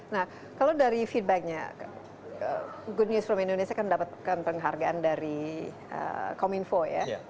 nah kalau dari feedbacknya good news from indonesia dapatkan penghargaan dari kominfo ya